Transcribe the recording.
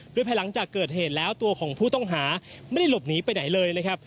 โดยภายหลังจากเกิดเหตุแล้วตัวของผู้ต้องหาไม่ได้หลบหนีไปไหนเลยนะครับ